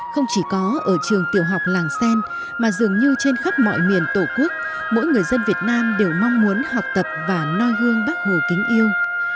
không chỉ có ở trường tiểu học làng xen mà dường như trên khắp mọi miền tổ quốc mỗi người dân việt nam đều mong muốn học tập và noi hương bác hồ kính yêu